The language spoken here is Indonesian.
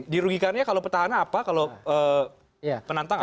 dirugikannya kalau petahana apa kalau penantang apa